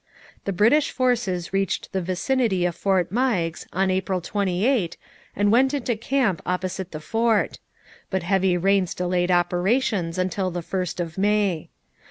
The British forces reached the vicinity of Fort Meigs on April 28, and went into camp opposite the fort; but heavy rains delayed operations until the 1st of May.